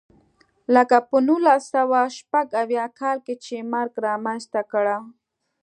لکه په نولس سوه شپږ اویا کال کې چې مرګ رامنځته کړه.